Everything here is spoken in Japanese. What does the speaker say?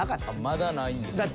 まだないんですか。